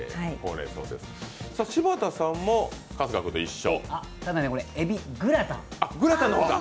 柴田さんは春日さんと一緒？